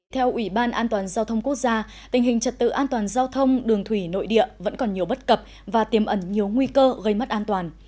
theo ủy ban an toàn giao thông quốc gia tình hình trật tự an toàn giao thông đường thủy nội địa vẫn còn nhiều bất cập và tiềm ẩn nhiều nguy cơ gây mất an toàn